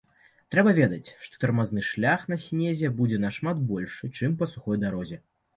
Трэба ведаць, што тармазны шлях на снезе будзе нашмат большы, чым па сухой дарозе.